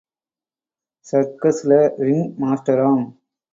சர்க்கஸ்ல ring மாஸ்டராம்.